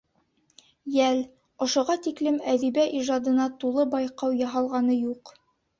Йәл, ошоға тиклем әҙибә ижадына тулы байҡау яһалғаны юҡ.